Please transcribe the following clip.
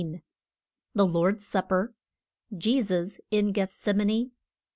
THE LORD'S SUPPER. JESUS IN GETHSEMANE.